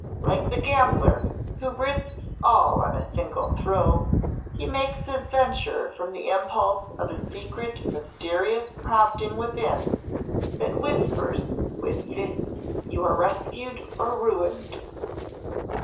Like the gambler, who risks all on a single throw, he makes his venture from the impulse of a secret mysterious prompting within, that whispers, 'With this you are rescued or ruined!'